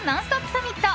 サミット。